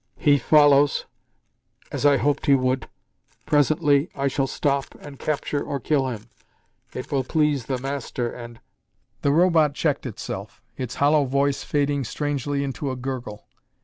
He follows, as I hoped he would. Presently I shall stop, and capture or kill him. It will please the master and " The Robot checked itself, its hollow voice fading strangely into a gurgle.